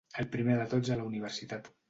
El primer de tots a la Universitat.